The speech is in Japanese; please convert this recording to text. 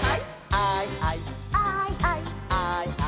「アイアイ」「」「アイアイ」「」